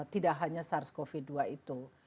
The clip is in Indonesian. tidak hanya sars cov dua itu